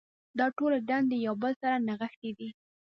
دا ټولې دندې یو له بل سره نغښتې دي.